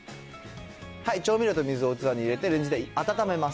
調味料と水を器に入れてレンジで温めます。